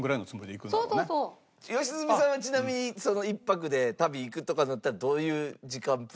良純さんはちなみに１泊で旅行くとかになったらどういう時間プランで？